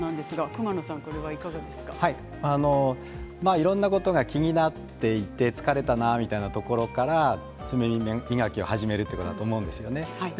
いろんなことが気になっていて疲れたなみたいなところから爪磨きを始めるということだと思うんですよね。